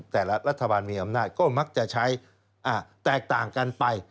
แต่ละรัฐบาลมีอำนาจก็มักจะใช้แตกต่างกันไป